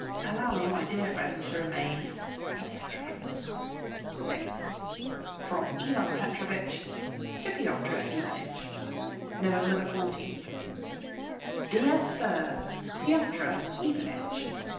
Allow me, my dear friend, to remain, etc. VI (FROM IVAN PETROVITCH TO PYOTR IVANITCH) November 14. DEAR SIR, PYOTR IVANITCH!